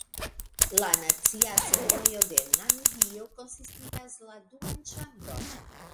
La Nacia Asembleo de Namibio konsistigas la duan ĉambron.